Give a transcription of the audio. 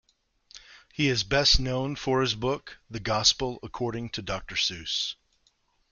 He is best known for his book "The Gospel According to Doctor Seuss".